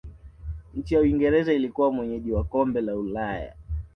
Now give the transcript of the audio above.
nchi ya uingereza ilikuwa mwenyeji wa kombe la Ulaya